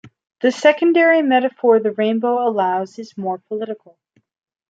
The secondary metaphor the rainbow allows is more political.